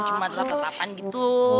cuma telah tetapan gitu